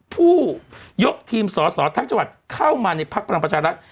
ผู้ยกทีมสอสอทางจังหวัดเข้ามาในภาคประหลังประชารักษณ์